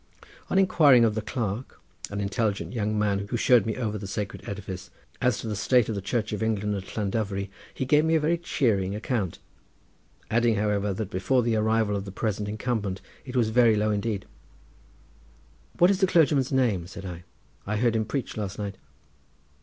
On inquiring of the clerk, an intelligent young man who showed me over the sacred edifice, as to the state of the Church of England at Llandovery, he gave me a very cheering account, adding, however, that before the arrival of the present incumbent it was very low indeed. "What is the clergyman's name?" said I; "I heard him preach last night."